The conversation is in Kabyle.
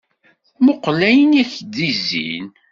Muqqel ayen i ak-d-izzin!